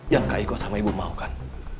yang kak iko sama ibu mau kan